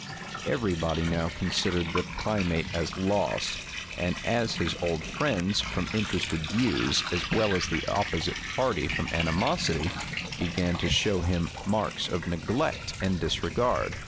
Every body now considered the primate as lost; and his old friends, from interested views, as well as the opposite party from animosity, began to show him marks of neglect and disregard.